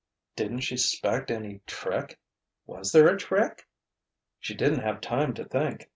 '" "Didn't she suspect any trick—was there a trick?" "She didn't have time to think.